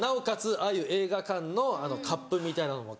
ああいう映画館のあのカップみたいなのも買って。